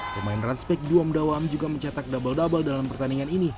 pemain ranspek duom dawam juga mencetak double double dalam pertandingan ini